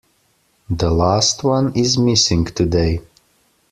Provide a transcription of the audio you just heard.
The last one is missing today.